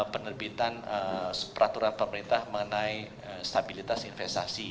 penerbitan peraturan pemerintah mengenai stabilitas investasi